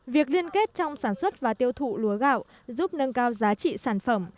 việc liên kết trong sản xuất và tiêu thụ lúa gạo giúp nâng cao giá trị sản phẩm